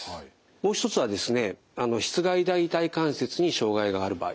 もう一つはですねしつ蓋大腿関節に障害がある場合です。